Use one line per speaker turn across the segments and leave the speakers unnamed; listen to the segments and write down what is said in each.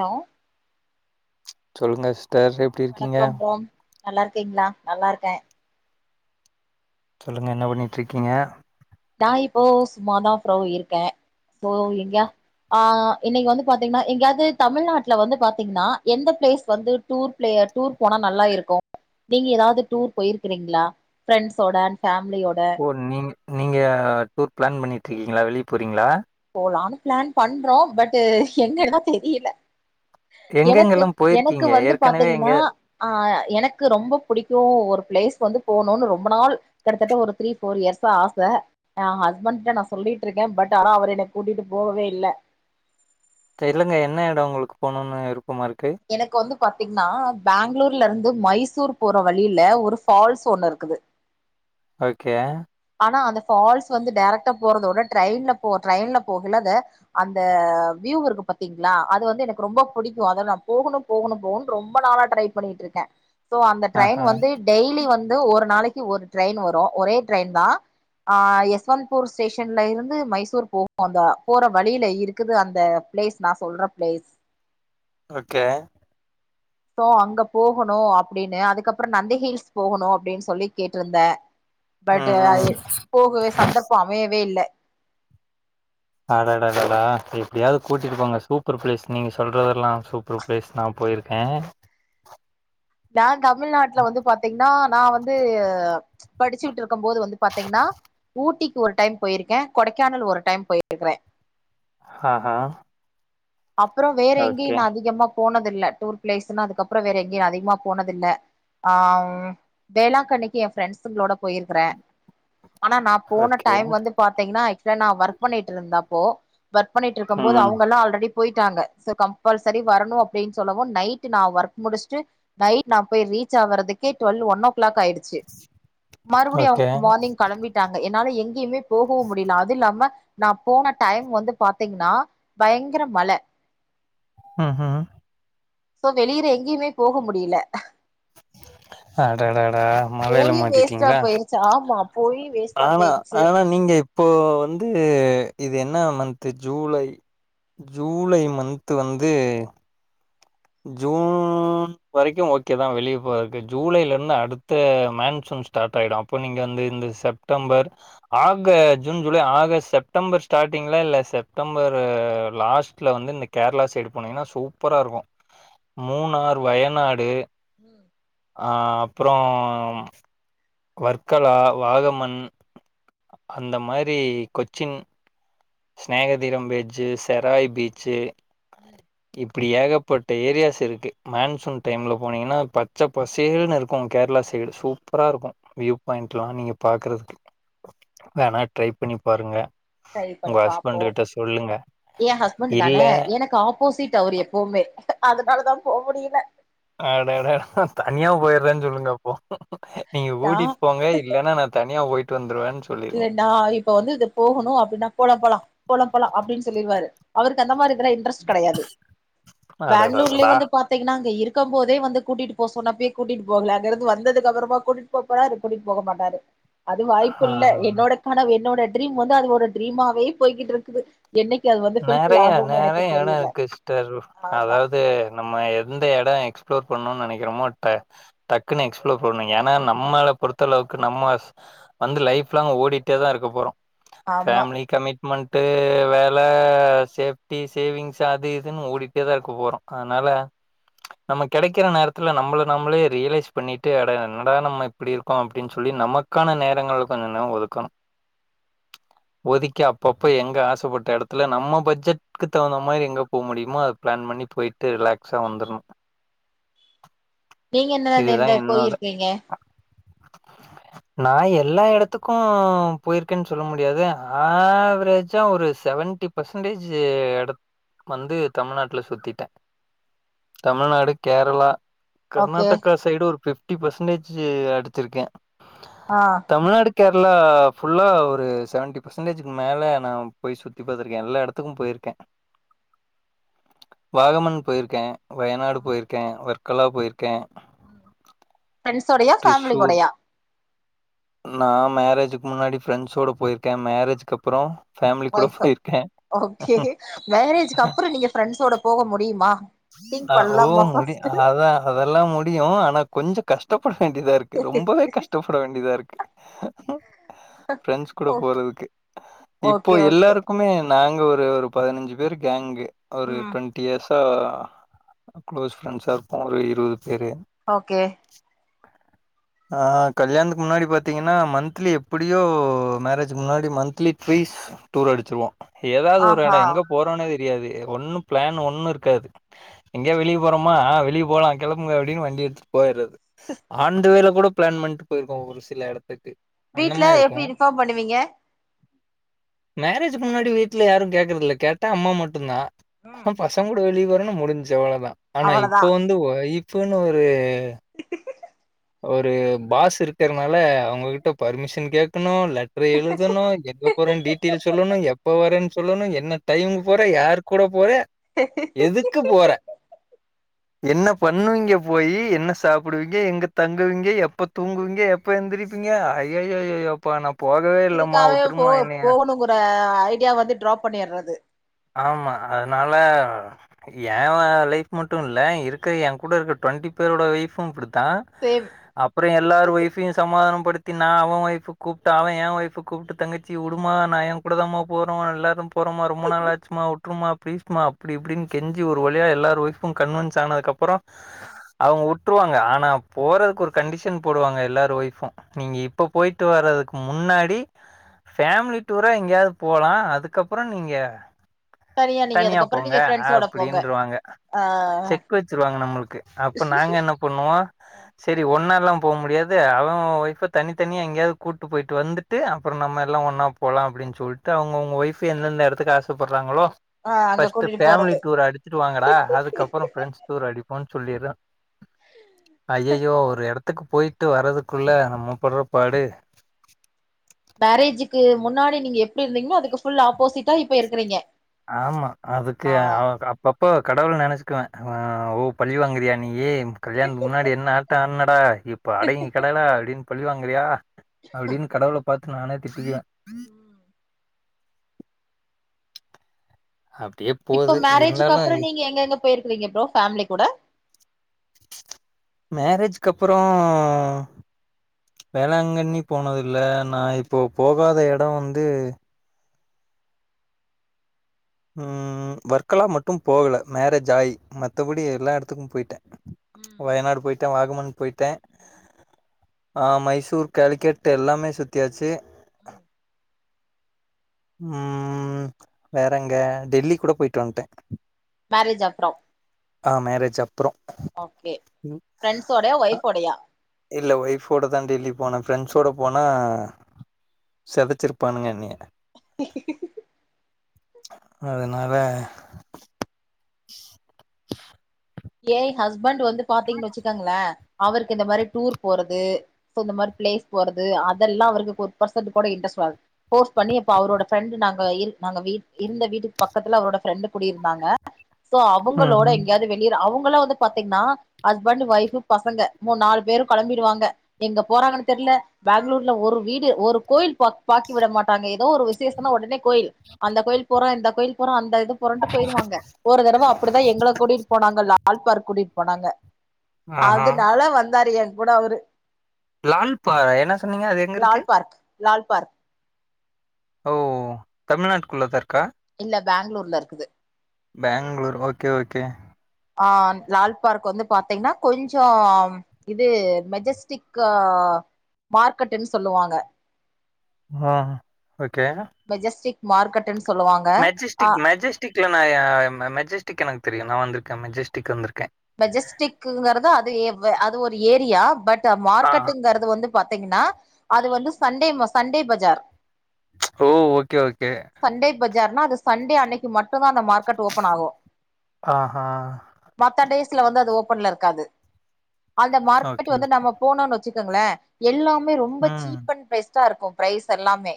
Hello
சொல்லுங்க sister இருக்கீங்க
வணக்கம் ப்ரோ நல்லா இருக்கீங்களா நல்லா இருக்க
சொல்லுங்க என்ன பண்ணிட்டு இருக்கீங்க
நா இப்போ சும்மாதா ஃப்ரோ இருக்கே சோ எங்கயா ஆ இன்னைக்கு வந்து பாத்தீங்கன்னா எங்கயாது தமிழ்நாட்ல வந்து பாத்தீங்கன்னா எந்த பிளேஸ் வந்து டூர் பிளேயர் டூர் போனா நல்லா இருக்கும் நீங்க ஏதாவது டூர் போயிருக்கிறீங்களா ஃபிரெண்ட்ஸோட அண்ட் ஃபேமிலியோட
ஓ நீ நீங்க டூர் பிளான் பண்ணிட்டு இருக்கீங்களா வெளிய போறீங்களா
போலான்னு பிளான் பண்றோ பட்டு எங்கன்னா தெரியல எனக்கு
எங்கெங்கெல்லா
எனக்கு
போயிருக்கீங்க
வந்து
ஏற்கனவே எங்க
பாத்தீங்கன்னா ஆ எனக்கு ரொம்ப புடிக்கும் ஒரு பிளேஸ் வந்து போணுன்னு ரொம்ப நாள் கிட்டத்தட்ட ஒரு த்ரீ ஃபோர் இயர்ஸ் ஆச ஏ ஹஸ்பண்ட்ட நா சொல்லிட்டு இருக்க பட் ஆனா அவர் இன்னு கூட்டிட்டு போவே இல்ல
தெரிலங்க என்ன எடோ உங்களுக்கு போணுன்னு விருப்பமா இருக்கு
எனக்கு வந்து பாத்தீங்கன்னா பேங்களூர்ல இருந்து மைசூர் போற வழியில ஒரு ஃபால்ஸ் ஒன்னு இருக்குது
ஓகே
ஆனா அந்த ஃபால்ஸ் வந்து டேரெக்டா போறதோட ட்ரெயின்ல போ ட்ரெயின்ல போகல அத அந்த வியூ இருக்கு பாத்தீங்களா அது வந்து எனக்கு ரொம்ப புடிக்கும் அதா நா போகணு போகணு போகணுன் ரொம்ப நாளா ட்ரை பண்ணிட்டு இருக்க சோ அந்த ட்ரெயின்
ஆஹா
வந்து டெய்லி வந்து ஒரு நாளைக்கு ஒரு ட்ரெயின் வரு ஒரே ட்ரெயின் தா ஆ யஸ்வந்த்பூர் ஸ்டேஷன்ல இருந்து மைசூர் போகும் அந்த போற வழியில இருக்குது அந்த பிளேஸ் நா சொல்ற பிளேஸ்
ஓகே
அபப்ற அங்க போகணு அப்டின்னு அதுக்கப்பறம் நந்தி ஹீல்ஸ் போகணும் அப்டின்னு சொல்லி கேட்டிருந்த பட்டு
ம் ம்
போகவே சந்தர்ப்ப அமையவே இல்ல
அடாடடாடா எப்டியாவது கூட்டிட்டு போங்க சூப்பர் பிளேஸ் நீங்க சொல்றதெல்லாம் சூ ப்பர் ப்ளேஸ் நா போயிருக்கே
நா தமிழ்நாட்ல வந்து பாத்தீங்கன்னா நா வந்து படிச்சுக்கிட்டு இருக்கும் போது வந்து பாத்தீங்கன்னா ஊட்டிக்கு ஒரு டைம் போயிருக்கே கொடைக்கானல் ஒரு டைம் போயிருக்கறே
ஆஹ
அப்ற வேற எங்கியு நா அதிகமா போனது இல்ல டூர் பிளேஸ்ன்னு அதுக்கப்ற வேற எங்கியு நா அதிகமா போனதுல்ல ஆ வேளாங்கண்ணிக்கு என் ஃப்ரெண்ட்ஸுங்களோட போயிருக்கிறே ஆனா நா போன
ஓகே
டைம் வந்து பாத்தீங்கன்னா ஆக்சுவலா நா ஒர்க் பண்ணிட்டு இருந்த அப்போ ஒர்க் பண்ணிட்டு இருக்கும் போது
ம்
அவுங்கள்லா ஆல்ரெடி போயிட்டாங்க சோ கம்பல்சரி வரணு அப்டின்னு சொல்லவு நைட் நா ஒர்க் முடிச்சுட்டு நைட் நா போய் ரீச் ஆவறதுக்கே டுவெல் ஒன் ஓ கிளாக் ஆயிடுச்சு மறுபடியு
ஓகே
அவுங்க மார்னிங் கெளம்பிட்டாங்க என்னால எங்கயுமே போகவு முடில அது இல்லாம நா போன டைம் வந்து பாத்தீங்கன்னா பயங்கர மழ
ம் ஹு ஹு
சோ வெளியில எங்கியுமே போக முடில
அடாடடா மழயில
போயு வேஸ்ட்டா
மாட்டிட்டிங்களா
போயிருச்சு ஆமா போய் வேஸ்ட்
ஆனா ஆனா நீங்க இப்போ வந்து இது என்ன மந்த்து ஜூலை ஜூலை மந்த்து வந்து ஜூன் இப்ப வரைக்கு ஓகே தா வெளியே போறக்கு ஜூலைலருந்து அடுத்த மேன் சூன் ஸ்டார்ட் ஆகிடு அப்ப நீங்க வந்து இந்த செப் டம்பர் ஆக ஜூன் ஜூலை ஆகஸ் செப்டம்பர் ஸ்டார்ட்டிங்ல இல்ல செப்டம்பர் லாஸ்ட்ல வந்து இந்த கேர்ளா சைடு போனீங்கன்னா சூப்பரா இருக்கு மூணார் வயநாடு
ம்
ஆ அப்றோ வர்க்கலா வாகமன் அந்த மாரி கொச்சின் ஸ்நேகதீரம் பீச்சு செராய் பீச்சு இப்
ம்
இப்டி ஏகப்பட்ட ஏரியாஸ் இருக்கு மான்சூன் டைம்ல போனீங்கன்னா பச்ச பசேள்ன்னு இருக்கு கேர்ளா சைடு சூப் ப்பரா இருக்கு வியூ பாயிண்ட்டெலா நீங்க பாக்கறதுக்கு வேணா ட்ரை பண்ணி பாருங்க
ட்ரைப்
உங்க
பண்ணிப் பாப்போ
ஹஸ்பண்ட் கிட்ட சொல்லுங்க
எ ஹஸ்பண்ட்
இல்ல
தானே எனக்கு ஆப் போசிட் அவர் எப்பவுமே அதனால தா போ முடில
அடடா தனியா போய்றேன்னு சொல்லுங்க அப்போ நீங்க
நா
கூட்டிட்டு போங்க இல்லன்னா நா தனியா போயி ட்டு வந்துருவன்
இல்லன்னா இப்ப வந்து இது போகணு அப்டின்னா போலா போலா போல போலா அப்டின்னு சொல்லிருவாறு அவருக்கு அந்த மாரி இதல இன்ட்ரெஸ்ட் கெடயாது பெங்ளூர்லே
அடடடடா
வந்து பாத் பாத்தீங்கனா அங்க இருக்கு போதே வந்து கூட்டிட்டு போ சொன்ன அப்பவே கூட்டிட்டு போகல அங்க இருந்து வந்தது அப்பறமா கூட்டிட் போ போறா கூட்டி போக மாட்டாரு அது வ குள்ள
ஆ
என்னோட கனவு என்னோட ட்ரீம் வந்து அது ஒரு ட்ரீமாவே போய்கிட்டு இருக்குது என்னைக்கி அது வந்
நெறய நெறய எட இருக்கு சிஸ்டர்
ஆமா
அதாவது நம்ம எந்த எட எக்ஸ்பிளோர் பண்ணணுன்னு நெனக்கிறமோ ட்ட டக்குன்னு எக்ஸ்ப்ளோ பண்ணனு ஏனா நம்மல பொறுத்தளவுக்கு நம்ம வந்து லைஃப் லாங் ஓடிட்டே தா இருக்க போறோ
ஆமா
ஃபேமிலி கமிட்மெண்ட்டு வே நல்ல சேஃப்டி சேவிங்ஸ்சு அது இதுன்னு ஓடிகிட்டே தா இருக்க போறோ அதுனால நம்ம கெடக்கிற நேரத்துல நம்மள நம்மளே ரியலைஸ் பண்ணிட்டு அட என்ட நம்ம இப்டி இருக்கோ அப்டின்னு சொல்லி நமக்கான நேரங்கள கொஞ்ச நேர ஒதுக்கணு ஒதிக்கி அப்பப்ப எங்க ஆசைப்பட்ட எடத் துல நம்ம பட்ஜெட்க்கு தகுந்த மாரி எங்க போ முடியுமோ அது பிளான் பண்ணி போயிட்டு ரிலாக்ஸா வந்துரனு
நீங்க என்னதா இந்த
இதுதா
எந்த
என்னோட
போயிருக்கீங்க
நா எல்லா எடத்துக்கு போயிருக்கேன்னு சொல்ல முடியாது ஆவ்ரேஜ்ஜா ஒரு சவன் டிப் பர்சன்டேஜ்சு எடத் வந்து தமிழ்நாட்டுல சுத்திட்டே தமிழ்நாடு கேரளா
ஓகே
கர்நாடகா சைடு ஒரு ஃபிப்டி பெர்சன்டேஜ்சு அடிச்சிருக்கே
ஆ
தமிழ்நாடு கேர்ளா ஃபுல்லா ஒரு செவன்டி பர்சன்டேஜ்க்கு மேல நா போய் சுத் தி பாத்திருக்கே எல்லா எடத்துக்கு போயிருக்கே வாகமன் போயிருக்கே வயநாடு
ம்
போயிருக்கே வர்க்கலா போயிருக்கே
ம். ஃப்ரெண்ட்ஸோடயா ஃபேமிலி
ட்ரிசூர்
கூடயா
நா மேரேஜ்க்கு முன்னாடி பிரெண்ஸ்சோட போயிருக்கே மேரேஜ்க்கு அப்பற ஃபேமிலி கூட
ஒய்ஃப்
போயிருக்கே
ஓகே மேரேஜ்க்கு அப்பற நீங்க பிரெண்ஸோட போக முடியுமா திங்க்
அ ஓ
பண்லாமா
முடி
ஃபஸ்ட்டு
அதா அதெல்லா முடியு ஆனா கொஞ்ச கஷ்டப்பட வேண்டியதா இருக் ரொம்பவே கஷ்டப்பட வேண்டியதா இருக்கு ஃப்ரெண்ட்ஸ் கூட
ஓ
போறதுக்கு இப்போ
ஓகே ஓகே
எல்லாருக் குமே நாங்க ஒரு ஒரு பதினஞ்சு பேரு கேங்கு ஒரு
ம்
ட்வெண்ட்டி இயர்ஸா க்ளோஸ் ப்ரெண்ட்ஸா இருப்போ ஒரு இருவது பேரு
ஓகே
ஆ கல்யாணத்துக்கு முன்னாடி பாத்தீங்கன்னா மன்த்லி எப்படியோ மேரேஜ்க்கு முன்னாடி மன்த்லி ட்வீஸ் டூர் அடிச்சிருவோ ஏதாது ஒரு
ஆஹா
எடோ எங்க போறோன்னே தெரியாது ஒண்ணு ப்ளான் ஒண்ணு இருக்காது எங்காது வெளிய போறோமா ஆ வெளிய போலா கெளம்புங்க அப்டின் வண்டி எடுத்துட்டுப் போயற்ரது ஆன் த வேலக் கூட ப்ளான் பண்ட்டு போயிருக்கோ ஒரு சில எடத்துக்கு அந்த
வீட்ல
மார் இருக்கு
எப்டி இன்ஃபார்ம் பண்ணுவீங்க
மேரேஜுக்கு முன்னாடி வீட்ல யாரு கேக்குறதில்ல கேட்டா அம்மா மட்டுதா
ம்
ஆனா பசங்க கூட வெளிய போறேன்னு முடிஞ்சு அவ்ளதா ஆனா
அவ்வளதா
இப்ப வந்து ஒய் ஃபுனு ஒரு
ஹிஹி
ஒரு பாஸ் இருக்கறனால அவங்ககிட்ட பர்மிஷன் கேக்கணு லெட்ரு எழுதணு எங்க போற டீட்டெயில்ஸ் சொல்லணு எப்ப வரன் சொல்லணு என்ன டைமுக்கு போற யாரு கூட போற
க்ஹ் க்ஹ்
எதுக்கு போற என்ன பண்ணுவீங்க போயி என்ன சாப்புடுவீங்க எங்க தங்குவீங்க எப்ப தூங்குவீங்க எப்ப எந்திரிப்பீங்க ஐயய்யய்யோ ப்பா நா போகவே இல்லமா உட்ருமா என்னையா
ட ஐடியா வந்து டிராப் பண்ணிறது
ஆமா அதனால ஏ லைஃப் மட்டு இல்ல இருக்கிற எ கூட இருக்க ட்வெண்ட்டி பேரோட வைஃபு இப்டித்தா
சேம்
அப்புற எல்லாரு ஒய்ஃப்பையு சமாதான படுத்தி நா அவ ஒய்ஃபுக் கூப்ட்டு அவ என் ஒய்ஃபுக் கூப்ட்டு தங்கச்சி உடுமா நா எ கூடதமா போறோ எல்லாரு போறோமா ரொம்ப நாளாச்சு அம்மா ப்லீஸ்மா அப்டிஇப்டின் கெஞ்சி ஒரு வழியா எல்லாரு ஒய்ஃபு கன்வன்ஸ் ஆனதுக்கு அப்ற அவங்க உட்ருவாங்க ஆனா போறதுக்கு ஒரு கண்டிஷன் போடுவாங்க எல்லாரு ஒய்ஃபு நீங்க இப்ப போயிட்டு வரதுக்கு முன்னாடி ஃபேமிலி டூரா எங்கேயாவது போலா அதுக்கப்புற நீங்க
நீங்க
தனியா
அதுக்கப்புறோ
போங்க
நீங்க ஃப்ரெண்ட்ஸோட போங்க
அப்டின்றுவாங்க
ஆ
செக் வச்சிருவாங்க நம்மளுக்கு அப்ப நாங்க என்ன பண்ணுவோ சரி ஒன்னால்லா போ முடியாது அவ அவ ஒய்ஃப தனி தனியா எங்காயாவது கூட்டு போயிட்டு வந்துட் டு அப்பற நம்ம எல்லா ஒன்னா போலா அப்டின்னு சொல்ட்டு அவங்க அவங்க ஒயஃப் எந்தெந்த எடத்துக்கு ஆசைப்படுறாங்களோ
ஆ அங்க
பர்ஸ்டட்
கூட்டிட்டு
ஃபேமிலி
போறது
டூர் அடிச்சிட்டு வாங்கடா அதுக்கப்பற ஃப்ரெண்ட்ஸ் டூர் அடிப்போம்ன்னு சொல்லிரு ஐயையோ ஒரு எடத்துக்கு போயிட்டு வரதுக்குள்ள நம்ம பட்ற பாடு
மேரேஜிக்கு முன்னாடி நீங்க எப்டி இருந்தீங்கன்னோ அதுக்கு ஃபுல் ஆப்போசிட்டா இப்ப இருக்கறீங்க
ஆமா அதுக்கு அவ அப்ப அப் போ கடவுள நெனைச்சிக்குவே ஓ பழி வாங்குறியா நீயி கல்யாணத்துக்கு முன்னாடி என்ன ஆட்டா ஆனடா இப்ப அடங்கி கடடா அப்டின்னு பழிவாங்குரியா அப்டின் கடவுள பாத்து நானே திட்டிக்குவே
ம்
அப்
இப்ப மேரேஜிக்கு அப்ற நீங்க எங்க எங்க போயிருக்கிறீங்க ப்ரோ ஃபேமிலி கூட
மேரேஜிக்கு அப்ற வேளாங்கண்ணி போனது இல்லை நான்
ம்
இப்போ போகாத இடம் வந்து ம் வர்கலா மட்டும் போகலை மேரேஜ் ஆயி மத்தபடி எல்லா இடத்துக்கும் போயிட்டேன்
ம்
வயநாடு போயிட்டேன் வாகமன் போயிட்டேன் ஆ மைசூர் கேலிகெட்ட எல்லாமே சுத்தியாச்சு
ம்
ம் ப எங்க டெல்லி கூட போயிட்டு வந்துட்டேன்
மோரேஜ் அப்றம்
ஆ மேரேஜ் அப்பறம்
ஓகே ஃப்ரெண்ட்ஸோடயா ஒய்ஃபோடையா
இல்ல ஒய்ஃபோட தா டெல்லி போனேன் ஃப்ரெண்ட்ஸோட போனா செதச்சிருப்பானுங்க என்னிய
ஹ் ஹ் ஹ்
அதனால
ஏன் ஹஸ்பண்ட் வந்து பாத்தீங்கன்னு வச்சுக்காங்களேன் அவருக்கு இந்த மாரி டூர் போறது சோ இந்த மாரி பிளேஸ் போறது அதெல்லாம் அவருக்கு ஒரு பெர்சன்ட் கூட இன்ட்ரெஸ்ட் வ ஃபோர்ஸ் பண்ணி இப்ப அவரோட ஃபரெண்டு நாங்க இரு நாங்க வீ இருந்த வீட்டுக்கு பக்கத்துல அவரோட ஃப்ரெண்டு் குடி இருந்தாங்க சோ அவங்களோட
ம்
எங்கேயாவது வெளி [unintelligible] அவங்களா வந்து பாத்தீங்கன்னா ஹஸ்பண்ட் ஒய்ஃப் பசங்க மூணு நாலு பேரு கெளம்பிடுவாங்க எங்க போறாங்கன் தெர்ல பேங்ளூர்ல ஒரு வீடு ஒரு கோயில் பாக் பாக்கி விட மாட்டாங்க எதோ ஒரு விசேஷனா உடனே கோயில் அந்த கோயில் போறோ இந்த கோயில் போறோ அந்த இது போறன்ட்டு போயிருவாங்க ஒரு தடவ அப்டிதா எங்கள கூட்டிட் போனாங்க லால் பார்க் கூட்டிகிட்டு போனாங்க
ஆஹா
அதனால வந்தாரு ஏன் கூட அவரு
லால்பாறா என்ன சொன்னீங்க அது எங்க இருக்கு
லால் பார்க் லால் பார்க்
ஓ தமிழ்நாட்டுக்குள்ளதா இருக்கா
இல்ல பேங்ளூர்ல இருக்குது
பேங்ளூர் ஓகே ஓகே
ஆ லால் பார்க் வந்து பாத்தீங்கன்னா கொஞ்சம் இது மெஜஸ்டிக் ஆ மார்க்கெட்ன்னு சொல்லுவாங்க
ஹ ஓகே
மெஜஸ்டிக் மார்க்கெட்ன்னு சொல்லுவாங்க ஆ
டிக்ல நாய மெஜெஸ்டிக் எனக்கு தெரியும் நான் வந்துருக்கேன் மெஸ்டிக் வந்திருக்கேன்
மெஜஸ்டிக்ங்கறது அது அது ஒரு ஏரியா பட்டு
ஆ
மார்க்கெட்டுங்கறது வந்து பா திங்னா அது வந்து சண்டே மா சண்டே பஜார்
ஓ ஓகே ஓகே
சண்டே பஜார்னா அது சண்டே அன்னைக்கு மட்டும்தா அந்த மார்க்கெட் ஓபன் ஆகும்
ஆ ஹா
மத்த டேஸ்ல வந்து அது ஓபன்ல இருக்காது அந்த மார்க்கெட்
ஓகே
வந்து
ஓகே.
நம்ம போனோனு வச்சுக்கோங்களே எல்லாமே ரொம்ப
ம்
சீப் அண்ட் பெஸ்ட்டா இருக்கும் ப்ரைஸ் எல்லாமே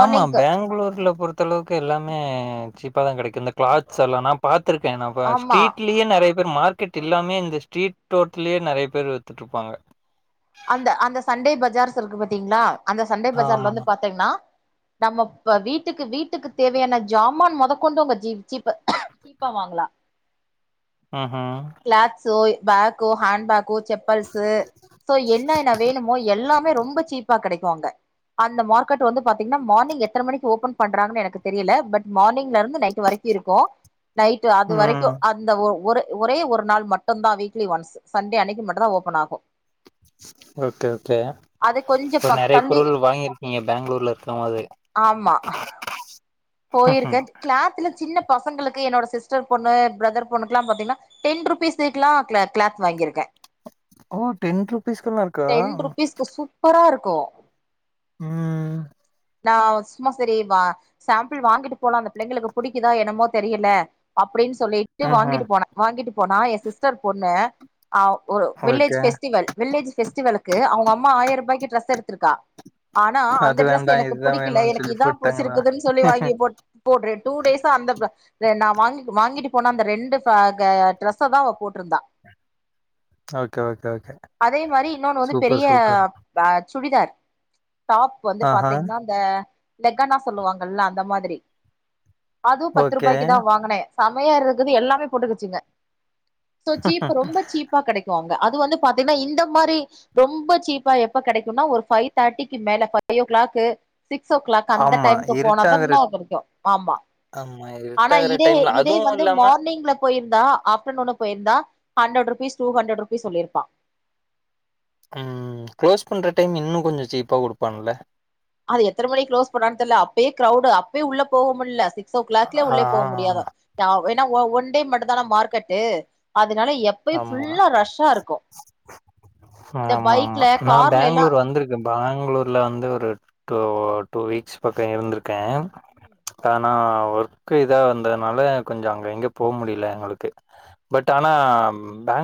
ஆமா பேங்ளூர்ல பொறுத்த அளவுக்கு எல்லாமே சீப்பா தா கெடைக்கு இந்த கிளாத்ஸ் எல்லானா பாத்துருக்கே நா
ஆமா
ஸ்ட்ரீட்ல இங்யே நெறைய பேர் மார்கெட் இல்லாமயே இந்த ஸ்டரீட்டோரத்லயே நெறைய பேர் வித்துட்ருப்பாங்க
அந்த அந்த சண்டே பஜார்ஸ் இருக்கு பாத்தீங்களா அந்த சண்டே பஜார்ல வந்து
ஆமா.
பாத்தீங்கன்னா நம்ம வீட்டுக்கு வீட்டுக்கு தேவயான ஜாமான் மொத கொண்டு உங்க ஜீ ஜீப்பு சீப்பா வாங்களா
ம் ஹும்
கிளாத்ஸோ பேக்கோ ஹாண் பேக்கு செப்பல்ஸ்சு என்ன என்ன வேணுமோ எல்லாமே ரொம்ப சீப்பா கெடைக்கு அங்க அந்த மார்க்கெட் வந்து பாத்திங்கன்னா மார்னிங் எத்தன மணிக்கு ஓப்பன் பண்றாங்கன் எனக்கு தெரியல பட் மார்னிங்ல இருந் து நைட் வரைக்கு இருக்கு நைட் அது வரைக்கு
ம்.
அது அந்த ஒ ஒரே ஒரு நாள் மட்டும்தா வீக்லி ஒன்ஸ் சண்டே அன்னைக்கு மட்டும்தா ஓப்பன் ஆகு
ஓகே ஓகே
அது கொஞ்ச
அப்போ
பக்
நெறைய
தள்ளி
பொருள் வாங்கிருக்கீங்க பெங்ளூர்ல இருக்க போது
ஆமா போயிருக்கே கிளாத்துல சின்ன பசங்களுக்கு என்னோட சிஸ்டர் பொண்ணு பிரதர் பொண்ணுக்குல்லா பாத்தீங்கன்னா டென் ருபீஸ் [unintelligible] கிளா கிளாத் வாங்கிருக்கே
ஓ டென் ருபீஸ்க்கலா இருக்கா
[unintelligible] சூ ப்பரா இருக்கு
உம்
நா சும்மா செரி வா சேம்பிள் வாங்கிட்டு போலா அந்த பிள்ளைங்களுக்கு புடிக்குதா என்னமோ தெரியல அப்டின்னு சொல்லிட்டு
ம்ஹ்ம்.
வாங்கிட்டு போனே வாங்கிட்டு போனா ஏ சிஸ்டர் பொண்ணு ஒரு வில்லேஜ்
ஓகே.
ஃபெஸ்ட்டிவல் வில்லேஜ் ஃபெஸ்டிவலுக்கு அவங்கம்மா ஆயரூபாய்க்கு டிரெஸ் எடுத்ருக்கா ஆனா அந்த
அது
ட்ரெஸ்
வேண்டாம்,
எனக்கு
இதுதான்
புடிக்கல
வேணும்னு
எனக்கு
சொல்லி
இதா
போட்டாங்களா?
புடிச்சிருக்குதுன்னு சொல்லி வாங்கி போட் போட்றே டூ டேஸா அந்த த நா வாங்கி வாங்கிட்டு போன அந்த ரெண்டு ப க ட்ரெஸ்ஸ தா அவ போட்ருந்தா
ஓகே, ஓகே, ஓகே.
அதே மாரி இன்னொன்னு வந்து
சூப்பர்,
பெரிய
சூப்பர்.
ப சுடிதார் டாப் வந்து
ஆஹா.
பாத்தீங்கனா இந்த லெக்கானா சொல்லுவாங்கல்ல அந்த மாதிரி அது பத்து ரூபாய்க்கி தா
ஓகே.
வாங்னே செமையா இருக்குது எல்லாமே போட்டுகிச்சுங்க சோ சீப் ரொம்ப சீப் பா கெடைக்கும் அங்க அது வந்து பாத்தீங்கன்னா இந்த மாரி ரொம்ப சீப்பா எப்ப கெடைக்கும்னா ஒரு ஃபைவ் தேட்டிக்கு மேல five o'clock six o'clock அந்த
ஆமா.
க்கு போனாதா
இருட்டாகுற
இன்ன கெடைக்கு ஆமா
ஆமா.
ஆனா
இருட்டாகுற
இதே
டைம்ல
இதே
அதுவும்
வந்து
இல்லாம
மார் னிங்ல போயிருந்தா ஆஃப்டநூன் போயிருந்தா hundred rupees two hundred rupees சொல்லிருப்பா
உம் க்ளோஸ் பண்ற டைம் இன்னு கொஞ்சோ சீப்பா குடுப்பான்ல
அது எத்தன மணி க்ளோஸ் பண்ணான் தெர்ல அப்பயே கிரௌவுடு அப்பயே உள்ள போகமுல்ல சிக்ஸ் ஓ கிளாக்ல
ஆ
உள்ளே போக முடியாதா ஏன்னா ஒன் டே மட்டும்தான மார்க்கெட்டு அதனால எப் பயு
ஆமா.
ஃபுல்லா ரஷ்ஷா இருக்கு இந்த பைக்ல கார்லல்லா
இந்த பெங்ளூர்ல வந்து ஒரு டு டூ வீக்ஸ் பக்கொ இருந்திருக்கே ஆனா ஒர்க்கு இதா வந்ததுனால கொஞ்சோ அங்க எங்க போ முடியல எங்களுக்கு பட் ஆனா பேங்